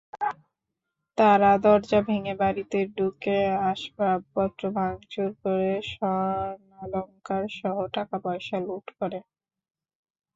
তাঁরা দরজা ভেঙে বাড়িতে ঢুকে আসবাবপত্র ভাঙচুর করে স্বর্ণালংকারসহ টাকাপয়সা লুট করে।